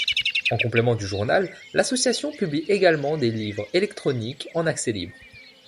En complément du journal, l'association publie également des livres électroniques en accès libre.